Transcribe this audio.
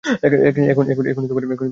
এখনই একটু চুমু দাও।